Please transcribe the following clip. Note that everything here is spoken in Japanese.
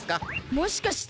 もしかして。